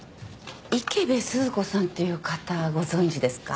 池部鈴子さんっていう方ご存じですか？